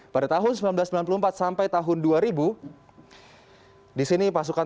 pada tahun seribu sembilan ratus sembilan puluh empat sampai tahun dua ribu disini pasukan